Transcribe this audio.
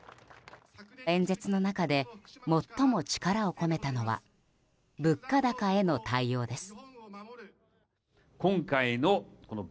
演説の中で最も力を込めたのは物価高への対応です。